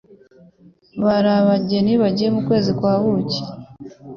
bari abageni bagiye mu kwezi kwa buki.